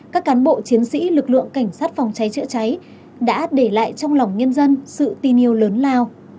các cán bộ chiến sĩ lực lượng cảnh sát phòng cháy chữa cháy đã để lại trong lòng nhân dân sự tin yêu lớn lao